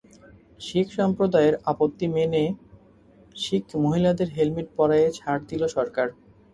শিখ সম্প্রদায়ের আপত্তি মেনে শিখ মহিলাদের হেলমেট পরায় ছাড় দিল সরকার।